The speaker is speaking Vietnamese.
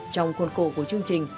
trong khuôn khổ của chương trình